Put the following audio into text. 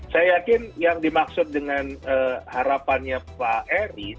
saya yakin yang dimaksud dengan harapannya pak eris